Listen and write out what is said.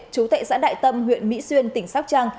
chú tệ xã đại tâm huyện mỹ xuyên tỉnh sóc trăng